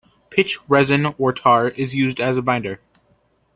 Pitch resin or tar is used as a binder.